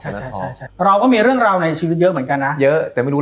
เจ้าข้าวอยากข่าวกำลังรับใจก็หรือ